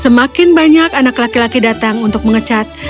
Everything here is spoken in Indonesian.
semakin banyak anak laki laki datang untuk mengecat